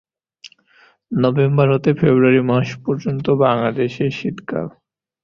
November হতে February মাস পর্যন্ত বাংলাদেশে শীতকাল।